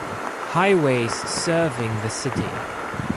Highways serving the city.